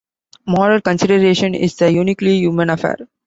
Moral consideration is a uniquely "human" affair.